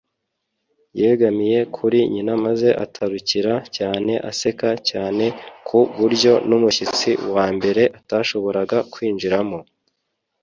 Yegamiye kuri nyina maze araturika cyane aseka cyane ku buryo n'umushyitsi wa mbere atashoboraga kwinjiramo.